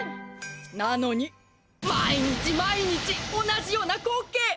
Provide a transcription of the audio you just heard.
なのに毎日毎日同じようなこうけい！